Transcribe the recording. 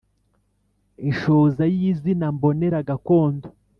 Inshoza y’izina mbonera gakondo